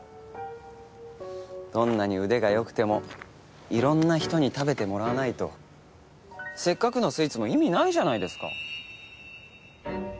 どんなに腕が良くてもいろんな人に食べてもらわないとせっかくのスイーツも意味ないじゃないですか。